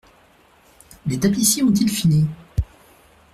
Les tapissiers ont-ils fini ?…